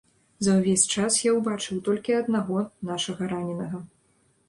За ўвесь час я ўбачыў толькі аднаго нашага раненага.